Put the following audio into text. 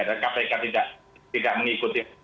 dan kpk tidak mengikuti